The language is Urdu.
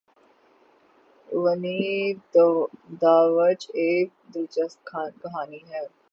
ونی داوچ ایک دلچسپ کہانی ہے۔